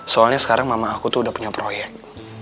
soalnya sekarang mama aku tuh udah punya proyek